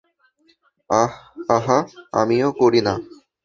আহা, আমিও করি না!